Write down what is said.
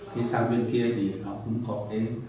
thì sang bên kia thì họ cũng có thể